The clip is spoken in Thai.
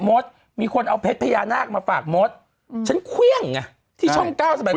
มดมีคนเอาเพชรพญานาคมาฝากมดฉันเครื่องไงที่ช่องเก้าสมัยก่อน